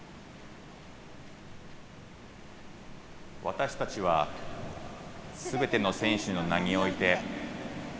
私たちはすべての選手の名において。